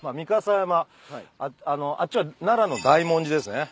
あっちは奈良の大文字ですね。